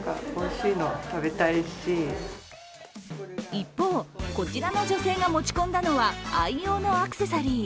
一方、こちらの女性が持ち込んだのは愛用のアクセサリー。